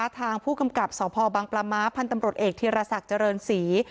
ทางผู้กำกับสพบังปลาม้าพันธ์ตำรวจเอกธีรศักดิ์เจริญศรี